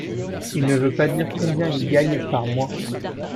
Il ne veut pas dire combien il gagne par mois.